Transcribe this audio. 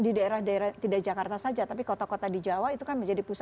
jadi di daerah daerah tidak jakarta saja tapi kota kota di jawa itu kan menjadi pusat